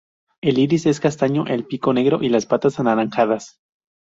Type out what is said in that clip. El iris es castaño, el pico negro y las patas anaranjadas.